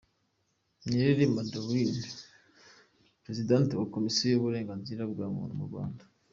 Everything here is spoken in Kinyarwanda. Nirere Madeleine, Perezidante wa Komisiyo y’Uburenganzira bwa Muntu mu Rwanda